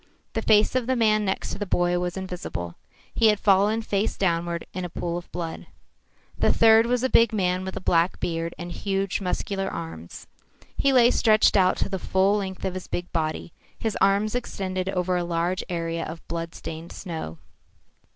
The face of the man next to the boy was invisible. He had fallen face downward in a pool of blood. The third was a big man with a black beard and huge, muscular arms. He lay stretched out to the full length of his big body, his arms extended over a large area of blood stained snow.